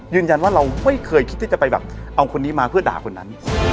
ยืนยันว่าเราไม่เคยคิดที่จะไปเอาคนนี้มาเพื่อด่าคนนั้น